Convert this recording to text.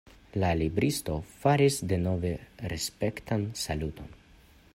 La libristo faris denove respektan saluton.